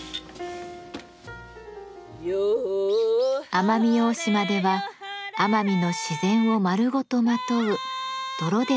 奄美大島では奄美の自然を丸ごとまとう泥で染めた大島紬。